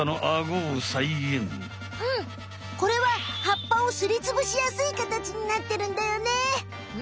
これは葉っぱをすりつぶしやすいかたちになってるんだよね。